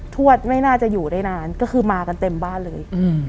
ทวดไม่น่าจะอยู่ได้นานก็คือมากันเต็มบ้านเลย